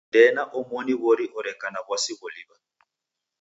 Ndee na omoni w'ori oreka na w'asi gholiw'a.